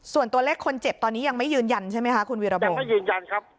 ส่วนตัวเลขคนเจ็บตอนนี้ยังไม่ยืนยันใช่ไหมคะคุณวีรวัตรยังไม่ยืนยันครับ